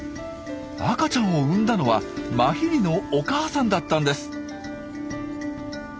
赤ちゃんを産んだのはマヒリのお母さんだったんです。